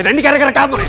dan ini gara gara kamu rin